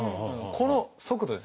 この速度です